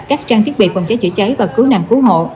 các trang thiết bị phòng cháy chữa cháy và cứu nạn cứu hộ